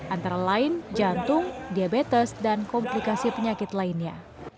antara lain jantung diabetes dan komplikasi penyakit lainnya